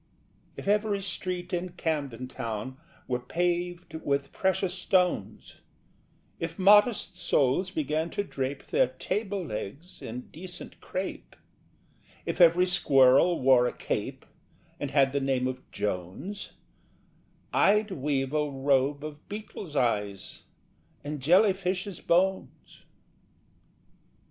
If every street in Camden Town Were paved with precious stones, If modest souls began to drape Their table legs in decent crape, If every squirrel wore a cape And had the name of Jones, I'd weave a robe of beetles' eyes And jellyfishes' bones.